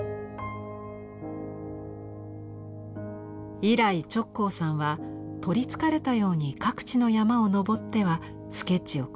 以来直行さんは取りつかれたように各地の山を登ってはスケッチを繰り返します。